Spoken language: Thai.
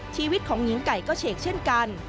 ชีวิตของหญิงไก่ก็เฉกเช่นกัน